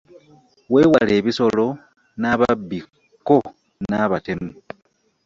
Weewale ebisolo n’ababbi kko n'abatemu.